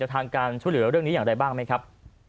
ทางการช่วยเหลือเรื่องนี้อย่างไรบ้างไหมครับ